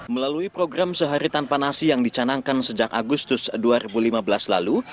melalui program sehari tanpa nasi yang dicanangkan sejak agustus dua ribu lima belas lalu